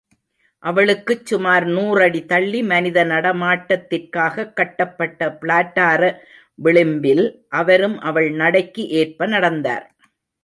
அவளுக்குச் சுமார் நூறடி தள்ளி மனித நடமாட்டத்திற்காகக் கட்டப்பட்ட பிளாட்டார விளிம்பில் அவரும் அவள் நடைக்கு ஏற்ப நடந்தார்.